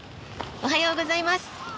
おはようございます。